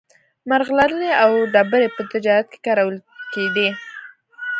مرغلرې او ډبرې په تجارت کې کارول کېدې.